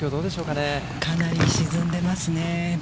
かなり沈んでいますね。